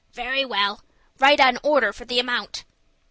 "Very well. Write an order for the amount."